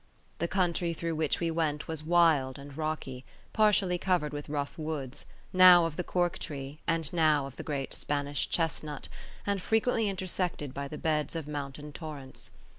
The country through which we went was wild and rocky, partially covered with rough woods, now of the cork tree, and now of the great Spanish chestnut, and frequently intersected by the beds of mountain torrents.